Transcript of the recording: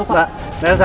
kau bisa lihat